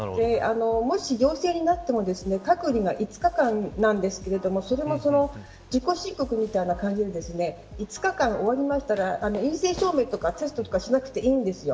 もし陽性になっても隔離が５日間なんですけれどもそれも、自己申告みたいな感じで５日間終わったら、陰性証明とかテストとかしなくていいんですよ。